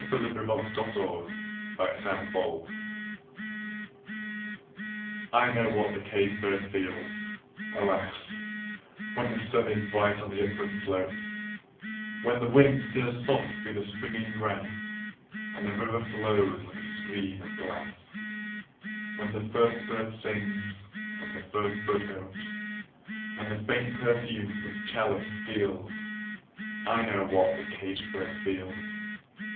Paul Laurence Dunbar Sympathy I KNOW what the caged bird feels, alas! When the sun is bright on the upland slopes; When the wind stirs soft through the springing grass, And the river flows like a stream of glass; When the first bird sings and the first bud opes, And the faint perfume from its chalice steals I know what the caged bird feels!